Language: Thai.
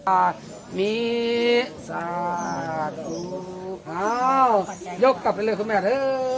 อ่านี่สาธุครับยกกลับไปเลยคุณแม่ด้วย